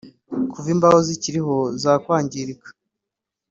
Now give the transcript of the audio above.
Kuva imbaho zikiriho zakwangirika